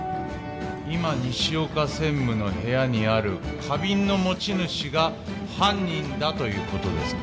今西岡専務の部屋にある花瓶の持ち主が犯人だということですか？